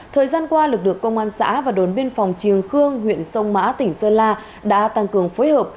thời gian qua lực lượng công an xã và đồn biên phòng triềng khương huyện sông mã tỉnh sơn la đã tăng cường phối hợp